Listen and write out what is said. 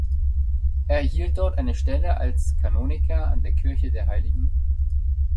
Er erhielt dort eine Stelle als Kanoniker an der Kirche der Hl.